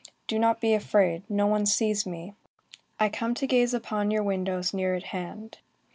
Do not be afraid, no one sees me. I come to gaze upon your windows near at hand.